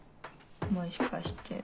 もしかして。